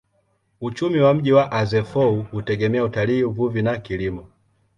Uchumi wa mji wa Azeffou hutegemea utalii, uvuvi na kilimo.